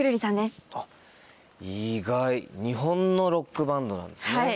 日本のロックバンドなんですね。